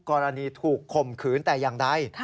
กรณีถูกข่มขืนแต่อย่างใด